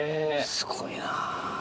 すごいな。